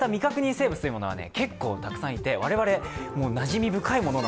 生物というものは結構、たくさんいて我々、なじみ深いもので